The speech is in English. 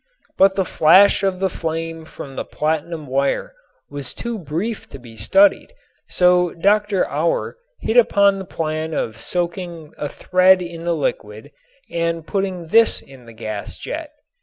But the flash of the flame from the platinum wire was too brief to be studied, so Dr. Auer hit upon the plan of soaking a thread in the liquid and putting this in the gas jet.